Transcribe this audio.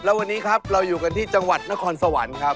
แล้ววันนี้ครับเราอยู่กันที่จังหวัดนครสวรรค์ครับ